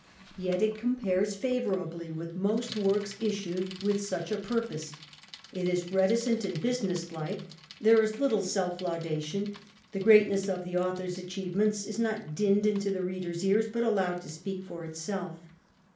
Yet it compares favourably with most works issued with such a purpose : it is reticent and business like ; there is little self laudation ; the greatness of the author's achievements is not dinned into the reader's ears, but allowed to speak for itself.